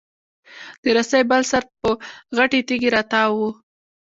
د رسۍ بل سر په غټې تېږي راتاو و.